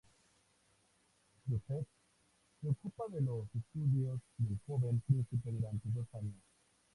Józef se ocupa de los estudios del joven príncipe durante dos años.